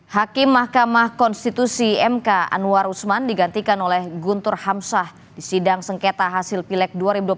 hakim mahkamah konstitusi mk anwar usman digantikan oleh guntur hamsah di sidang sengketa hasil pileg dua ribu dua puluh empat